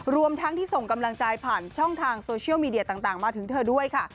รวมทั้งที่ส่งกำลังใจผ่านช่องทางโซเชียลมีเดียต่างมาถึงเธอด้วยค่ะ